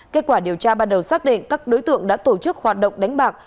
kết quả điều tra ban đầu xác định các đối tượng đã tổ chức hoạt động đánh bạc